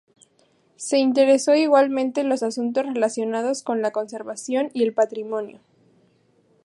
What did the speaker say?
Se interesó igualmente en los asuntos relacionados con la conservación y el patrimonio.